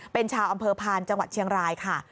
เป็นชาวอำเภอพานจังหวัดเชียงรายค่ะ